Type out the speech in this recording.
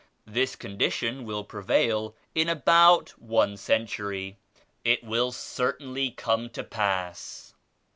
This condition will prevail in about one century. It will certainly come to pass."